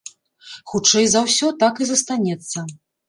Хутчэй за ўсе, так і застанецца.